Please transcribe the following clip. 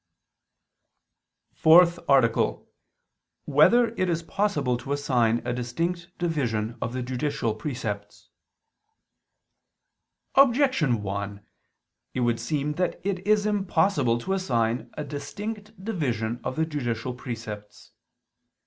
________________________ FOURTH ARTICLE [I II, Q. 104, Art. 4] Whether It Is Possible to Assign a Distinct Division of the Judicial Precepts? Objection 1: It would seem that it is impossible to assign a distinct division of the judicial precepts.